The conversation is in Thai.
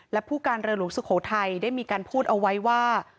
และผู้การเรือหลวงสุโขทัยได้มีการพูดเอาไว้ว่า